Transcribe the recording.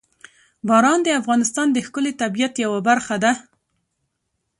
باران د افغانستان د ښکلي طبیعت یوه برخه ده.